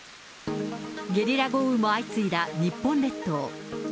ゲリラ豪雨も相次いだ日本列島。